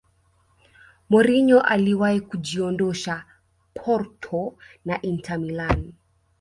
mourinho aliwahi kujiondosha porto na inter milan